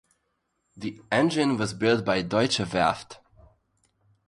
The engine was built by Deutsche Werft.